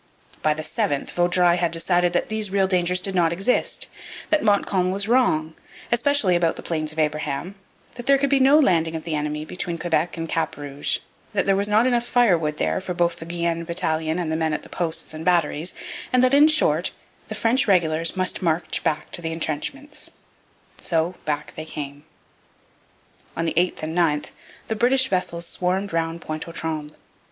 By the 7th Vaudreuil had decided that these real dangers did not exist, that Montcalm was all wrong, especially about the Plains of Abraham, that there could be no landing of the enemy between Quebec and Cap Rouge, that there was not enough firewood there for both the Guienne battalion and the men at the posts and batteries, and that, in short, the French regulars must march back to the entrenchments. So back they came. On the 8th and 9th the British vessels swarmed round Pointe aux Trembles.